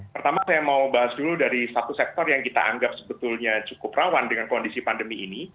pertama saya mau bahas dulu dari satu sektor yang kita anggap sebetulnya cukup rawan dengan kondisi pandemi ini